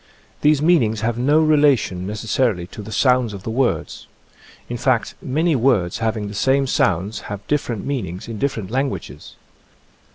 These meanings have no relation necessarily to the sounds of the words. In fact, many words having the same sounds have different meanings in different languages.